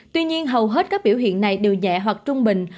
tuy nhiên hầu hết các biểu hiện này đều nhẹ hoặc trung bình